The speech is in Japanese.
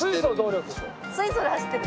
水素で走ってる。